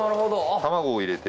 卵を入れて。